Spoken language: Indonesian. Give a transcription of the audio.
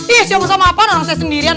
ih siapa sama apaan orang saya sendirian